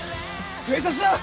「警察だ！」